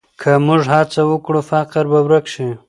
که موږ هڅه وکړو، فقر به ورک شي.